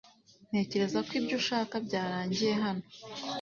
Ntekereza ko ibyo ushaka byarangiye hano .